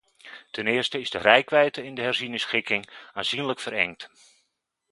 Ten eerste is de reikwijdte in de herziene schikking aanzienlijk verengd.